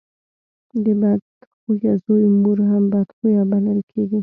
د بد خويه زوی مور هم بد خويه بلل کېږي.